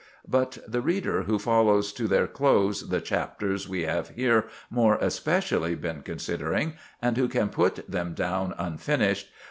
But the reader who follows to their close the chapters we have here more especially been considering—and who can put them down unfinished?